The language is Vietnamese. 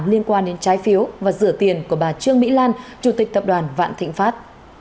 liên quan đến trái phiếu và rửa tiền của bà trương mỹ lan chủ tịch tập đoàn vạn thịnh pháp